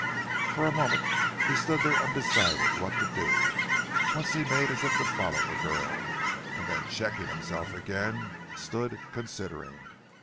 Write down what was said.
For a moment he stood there undecided what to do. Once he made as if to follow the girl, and then checking himself again, stood considering.